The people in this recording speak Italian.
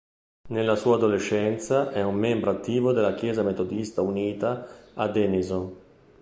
Nella sua adolescenza è un membro attivo della chiesa metodista unita a Denison.